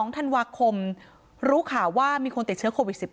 ๒ธันวาคมรู้ข่าวว่ามีคนติดเชื้อโควิด๑๙